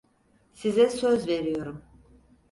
Size söz veriyorum.